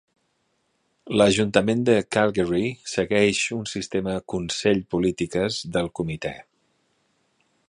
L'ajuntament de Calgary segueix un sistema consell-polítiques del comitè.